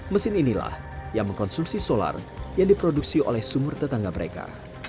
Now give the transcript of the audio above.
mesin inilah yang mengkonsumsi solar yang diproduksi oleh sumur tetangga mereka